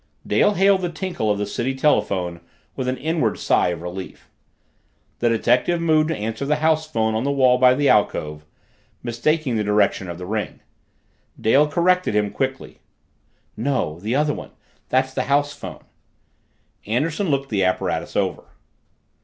Dale hailed the tinkle of the city telephone with an inward sigh of relief. The detective moved to answer the house phone on the wall by the alcove, mistaking the direction of the ring. Dale corrected him quickly. "No, the other one. That's the house phone." Anderson looked the apparatus over.